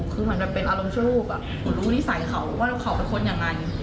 คือมันแบบเป็นอารมณ์ช่วยลูกรู้นิสัยเขาว่าเขาเป็นคนอย่างไร